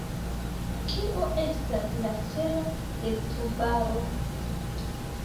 Kio estas la celo de Tubaro?